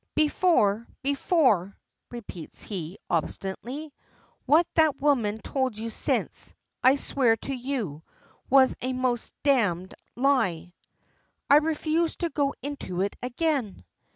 "Before before," repeats he, obstinately. "What that woman told you since, I swear to you, was a most damned lie." "I refuse to go into it again."